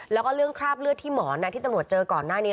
แล้วก็เรื่องคราบเลือดที่หมอนที่ตำรวจเจอก่อนหน้านี้